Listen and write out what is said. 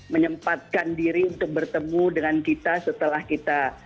menyempatkan diri untuk bertemu dengan kita setelah kita